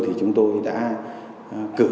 thì chúng tôi đã cử